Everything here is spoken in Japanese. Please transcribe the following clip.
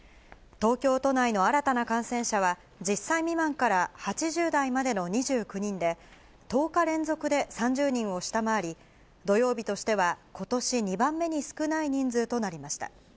東京都内の新たな感染者は、１０歳未満から８０代までの２９人で、１０日連続で３０人を下回り、土曜日としてはことし２番目に少ない人数となりました。